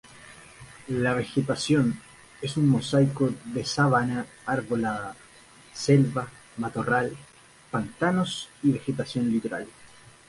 La vegetación es un mosaico de sabana arbolada, selva, matorral, pantanos y vegetación litoral.